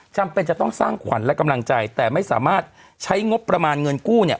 จำเป็นจะต้องสร้างขวัญและกำลังใจแต่ไม่สามารถใช้งบประมาณเงินกู้เนี่ย